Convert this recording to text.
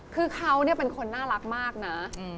คือเขาเป็นคนน่ารักมากนะ